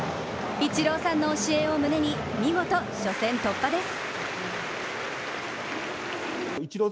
イチローさんの教えを胸に、見事初戦突破です。